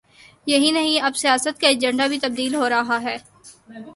یہی نہیں، اب سیاست کا ایجنڈا بھی تبدیل ہو رہا ہے۔